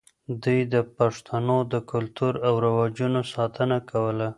دوی د پښتنو د کلتور او رواجونو ساتنه کوله.